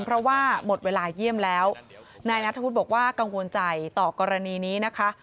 เพราะว่าหมดเวลาเยี่ยมแล้วนายนัทธวุฒิบอกว่ากังวลใจต่อกรณีนี้นะคะ